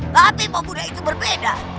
tapi pemuda itu berbeda